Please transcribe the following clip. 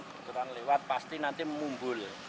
kebetulan lewat pasti nanti mengumpul